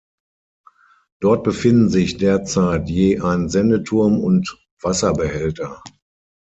Dort befinden sich derzeit je ein Sendeturm und Wasserbehälter.